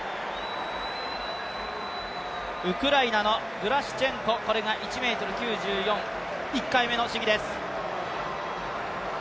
ウクライナのゲラシュチェンコ、これが１ｍ９４、１回目の試技です。